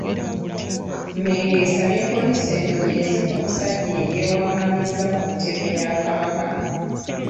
Mmengo esabye poliisi enoonyereze ku musajja eyeewaղղamizza ku ntebe ya Kabaka.